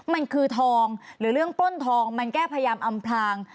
มันคือทองหรือเรื่องปล้นทองมันแก้พยายามอำพลาง